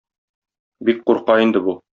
Бик курка инде бу.